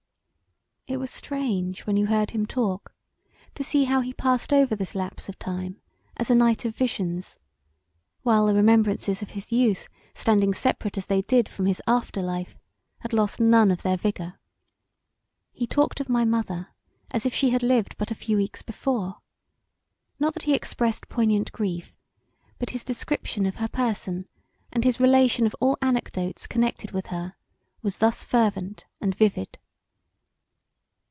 It was strange when you heard him talk to see how he passed over this lapse of time as a night of visions; while the remembrances of his youth standing seperate as they did from his after life had lost none of their vigour. He talked of my Mother as if she had lived but a few weeks before; not that he expressed poignant grief, but his discription of her person, and his relation of all anecdotes connected with her was thus fervent and vivid.